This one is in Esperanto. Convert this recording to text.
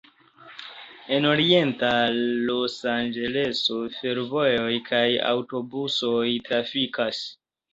En Orienta Losanĝeleso fervojoj kaj aŭtobusoj trafikas.